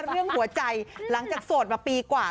เรื่องหัวใจหลังจากโสดมาปีกว่า